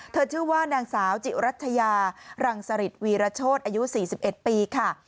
ชื่อว่านางสาวจิรัชยารังสริตวีรโชธอายุ๔๑ปีค่ะ